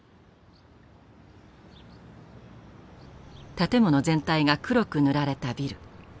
建物全体が黒く塗られたビル。